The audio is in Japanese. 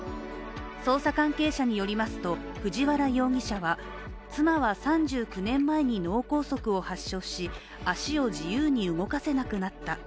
捜査関係者によりますと藤原容疑者は妻は３９年前に脳梗塞を発症し足を自由に動かせなくなった。